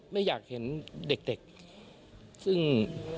ไม่อยากเห็นเด็กซึ่ง